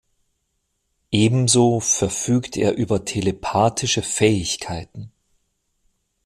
Ebenso verfügt er über telepathische Fähigkeiten.